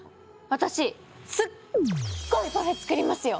私すっごいパフェ作りますよ！